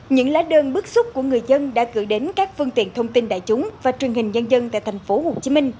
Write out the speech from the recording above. những lá đơn bức xúc của người dân đã gửi đến các phương tiện thông tin đại chúng và truyền hình nhân dân tại tp hcm